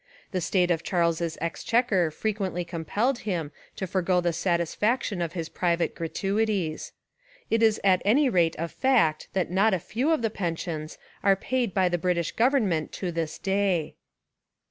The state of Charles's exchequer frequently compelled him to forego the satisfaction of his private gra tuities. It is at any rate a fact that not a few of the pensions are paid by the British gov ernment to this day.